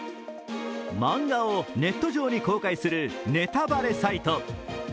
漫画をネット上に公開するネタバレサイト。